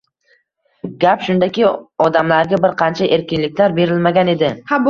Gap shundaki, odamlarga bir qancha erkinliklar berilmagan edi.